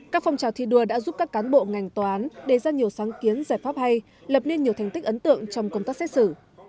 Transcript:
các phong trào thi đua đã giúp các cán bộ ngành tòa án đề ra nhiều sáng kiến giải pháp hay lập nên nhiều thành tích ấn tượng trong công tác xét xử